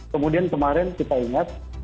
kemudian kemarin kita ingat